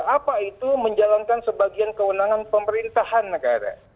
apa itu menjalankan sebagian kewenangan pemerintahan negara